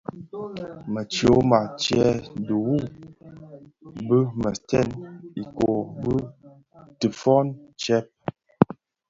Më tyoma tse dhihuu bë mèètèn ikōō bi dhifōn tsèb.